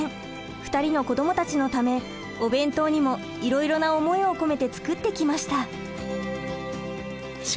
２人の子どもたちのためお弁当にもいろいろな思いを込めて作ってきました。